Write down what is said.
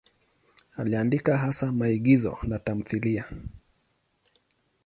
Aliandika hasa maigizo na tamthiliya.